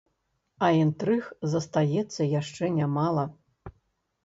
А інтрыг застаецца яшчэ нямала.